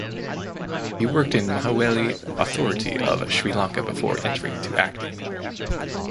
He worked in Mahaweli Authority of Sri Lanka before entering to acting.